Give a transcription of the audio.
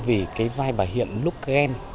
vì cái vai bà huyện lúc ghen